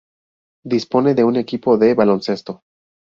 Dispone de un equipo de baloncesto.